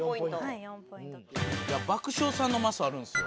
爆笑さんのマスあるんですよ。